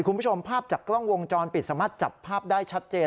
คุณผู้ชมภาพจากกล้องวงจรปิดสามารถจับภาพได้ชัดเจน